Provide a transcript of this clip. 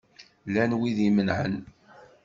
Llan wid imenεen?